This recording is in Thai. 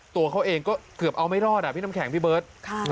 ตัวเขาเองก็เกือบเอาไม่รอดพี่น้ำแข็งพี่เบิร์ต